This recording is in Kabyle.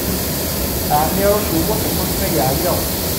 Ɛmiṛuc U Muḥ iḥulfa yeɛya.